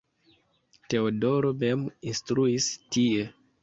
Teodoro mem instruis tie.